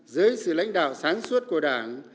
dưới sự lãnh đạo sáng suốt của đảng